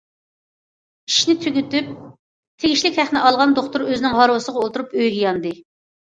ئىشنى تۈگىتىپ، تېگىشلىك ھەقنى ئالغان دوختۇر ئۆزىنىڭ ھارۋىسىغا ئولتۇرۇپ ئۆيىگە ياندى.